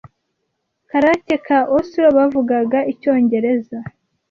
karere ka Oslo bavugaga icyongereza